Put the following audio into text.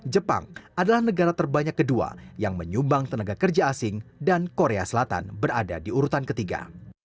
jepang adalah negara terbanyak kedua yang menyumbang tenaga kerja asing dan korea selatan berada di urutan ketiga